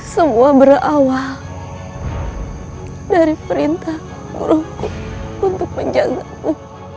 semua berawal dari perintah guru untuk menjagaku